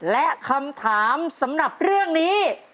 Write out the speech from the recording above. และคำถามสำหรับเรื่องนี้